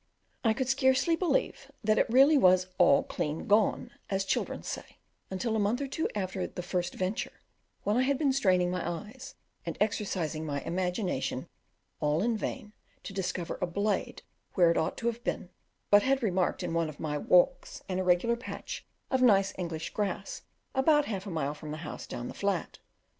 I could scarcely believe that it really was all "clean gone," as children say, until a month or two after the first venture, when I had been straining my eyes and exercising my imagination all in vain to discover a blade where it ought to have been, but had remarked in one of my walks an irregular patch of nice English grass about half a mile from the house down the flat.